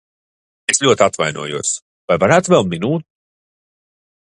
Es ļoti atvainojos, vai varētu vēl minūti?